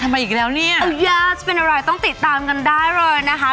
มาอีกแล้วเนี่ยยากจะเป็นอะไรต้องติดตามกันได้เลยนะคะ